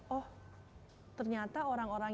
oh ternyata orang orang